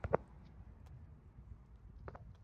কী যে বলেন, আপনার থেকে টাকা নেয়া যায়!